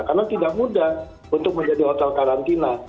karena tidak mudah untuk menjadi hotel karantina